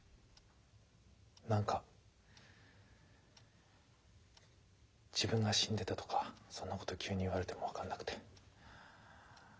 何か自分が死んでたとかそんなこと急に言われても分かんなくて。